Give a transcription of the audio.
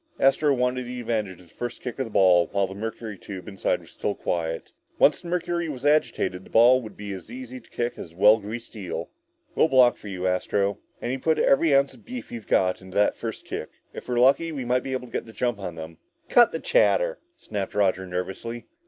Astro wanted the advantage of the first kick at the ball while the mercury tube inside was still quiet. Once the mercury was agitated, the ball would be as easy to kick as a well greased eel. "We'll block for you, Astro," said Tom, "and you put every ounce of beef you've got into that first kick. If we're lucky, we might be able to get the jump on them!" "Cut the chatter," snapped Roger nervously.